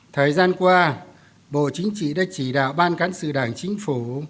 thời gian qua bộ chính trị đã chỉ đạo ban cán sự đảng chính phủ